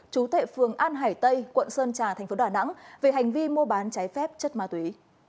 chú thệ phường an hải tây quận sơn trà thành phố đà nẵng về hành vi mua bán trái phép chất ma túy